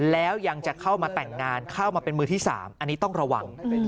แล้วยังจะเข้ามาแต่งงานเข้ามาเป็นมือที่๓อันนี้ต้องระวัง